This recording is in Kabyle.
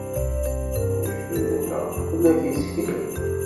Lejdud-nneɣ, fell-ak i tteklen.